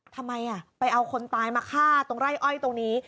ทำไมไปเอาคนตายมาฆ่าตรงไร่อ้อยตรงนี้